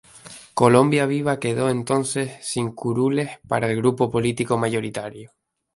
Colombia Viva quedó entonces sin curules para el grupo político mayoritario.